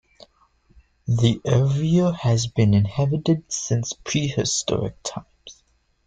The area has been inhabited since prehistoric times.